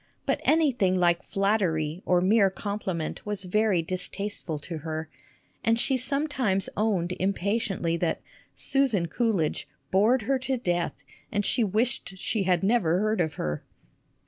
But anything like flattery or mere compliment was very distasteful to her, and she sometimes owned impatiently that " Susan Coolidge " bored her to death, and she wished she had never heard of her